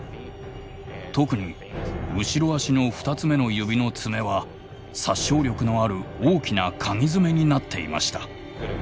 特に後ろあしの２つ目の指の爪は殺傷力のある大きな鉤爪になっていました。